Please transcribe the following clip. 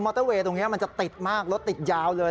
เตอร์เวย์ตรงนี้มันจะติดมากรถติดยาวเลย